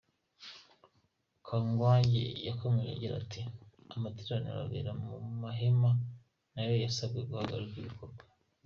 Kangwagye yakomeje agira ati “Amateraniro abera mu mahema nayo yasabwe guhagarika ibikorwa.